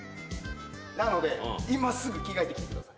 なので、今すぐ着替えてきてください。